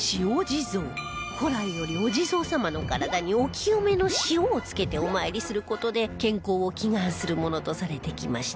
古来よりお地蔵様の体にお清めの塩をつけてお参りする事で健康を祈願するものとされてきました